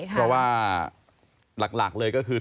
เพราะว่าหลักเลยก็คือ